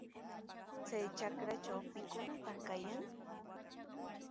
Chay trakratraw, ¿pikunataq kaykaayan?